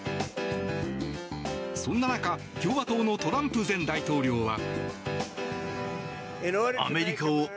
そんな中共和党のトランプ前大統領は。